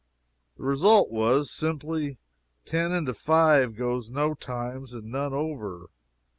The result was, simply: ten into five goes no times and none over.